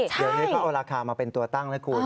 เดี๋ยวนี้เขาเอาราคามาเป็นตัวตั้งนะคุณ